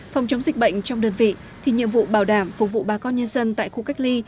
phòng chống dịch bệnh trong đơn vị thì nhiệm vụ bảo đảm phục vụ bà con nhân dân tại khu cách ly